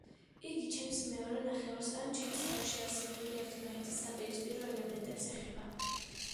იგი ჩემს მეორე ნახევარს ან ჩემს თავში არსებული ერთმანეთის საპირისპირო ელემენტებს ეხება.